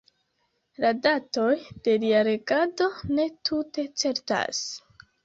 La datoj de lia regado ne tute certas.